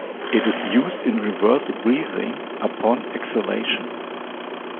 It is used in reverse breathing upon exhalation.